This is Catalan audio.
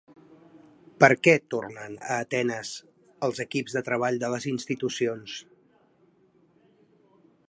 Per què tornen a Atenes els equips de treball de les institucions?